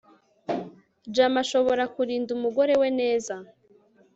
jama ashobora kurinda umugore we neza